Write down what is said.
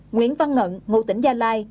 nguyễn văn ngận ngụ tỉnh gia lai